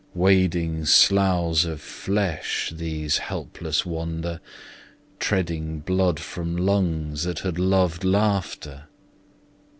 Wading sloughs of flesh these helpless wander, Treading blood from lungs that had loved laughter.